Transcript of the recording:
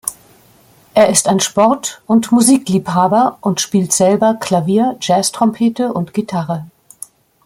Er ist ein Sport- und Musikliebhaber und spielt selber Klavier, Jazztrompete und Gitarre.